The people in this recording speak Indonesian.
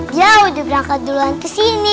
dia udah berangkat duluan kesini